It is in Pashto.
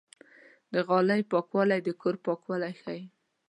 د غالۍ پاکوالی د کور پاکوالی ښيي.